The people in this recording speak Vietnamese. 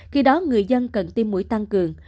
khi đó người dân cần tiêm mũi tăng cường